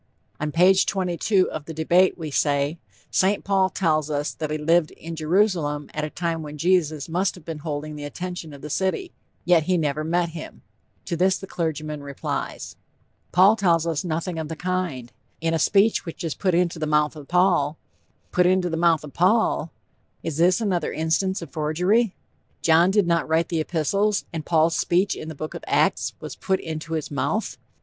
On page 22 of The Debate, we say: "St. Paul tells us that he lived in Jerusalem at a time when Jesus must have been holding the attention of the city; yet he never met him." To this the clergyman replies: "Paul tells us nothing of the kind. In a speech which is put into the mouth of Paul" put into the mouth of Paul! Is this another instance of forgery? John did not write the epistles, and Paul's speech in the Book of Acts was put into his mouth!